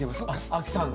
アキさんが？